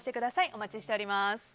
お待ちしております。